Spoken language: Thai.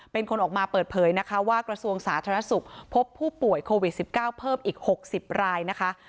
เป็นคนออกมาเปิดเผยนะคะว่ากระทรวงสาธารณสุขพบผู้ป่วยโควิด๑๙เพิ่มอีก๖๐รายนะคะ